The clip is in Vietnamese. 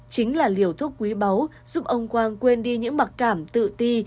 chính là liều thuốc quý báu giúp ông quang quên đi những mặc cảm tự ti